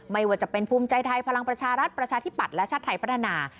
ไม่ว่าจะเป็นภูมิใจไทยพลังประชารัฐประชาธิปัตย์และชาติไทยพัฒนา